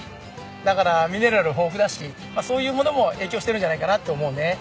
だからミネラル豊富だしそういうものも影響しているんじゃないかなと思うね。